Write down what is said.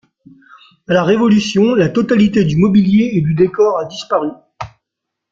À la Révolution, la totalité du mobilier et du décor a disparu.